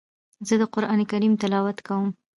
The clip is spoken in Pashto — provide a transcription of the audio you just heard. زه د قرآن کريم تلاوت کوم.